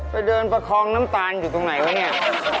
ไปเดินประคองน้ำตาลอยู่ตรงไหนวะเนี่ย